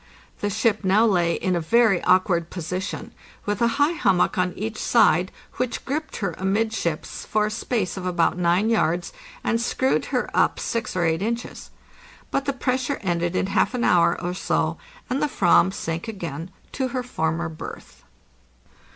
The ship now lay in a very awkward position, with a high hummock on each side, which gripped her amidships for a space of about 9 yards, and screwed her up 6 or 8 inches. But the pressure ended in half an hour or so, and the /vam sank again into her former berth.